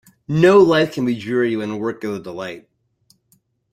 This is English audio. No life can be dreary when work is a delight.